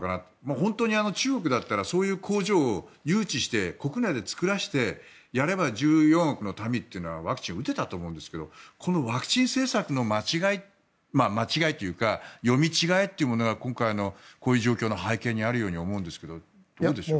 本当に中国だったら工場を誘致して国内で作らせてやれば１４億の民というのはワクチンを打てたと思うんですがワクチン政策の間違いというか読み違えというものが今回の状況の背景にあるように思うんですけどどうでしょう？